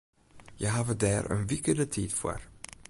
Hja hawwe dêr in wike de tiid foar.